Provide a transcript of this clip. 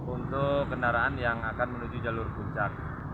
untuk kendaraan yang akan menuju jalur puncak